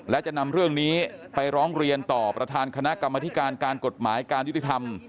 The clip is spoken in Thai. และจะนำเรื่องนี้ไปร้องเรียนต่อประธานคณะกรรมธิการการกฎหมายการยุติธรรม